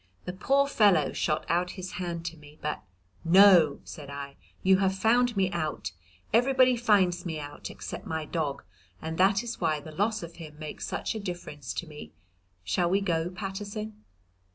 The poor fellow shot out his hand to me, but "No," said I, "you have found me out. Everybody finds me out except my dog, and that is why the loss of him makes such a difference to me. Shall we go, Paterson?"